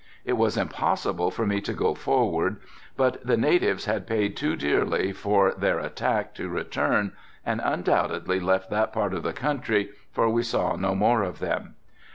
It was impossible for me to go forward, but the natives had paid too dearly for their attack to return and undoubtedly left that part of the country for we saw no more of them.